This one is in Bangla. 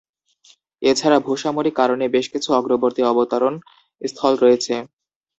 এছাড়া ভূ-সামরিক কারণে বেশ কিছু অগ্রবর্তী অবতরণ স্থল রয়েছে।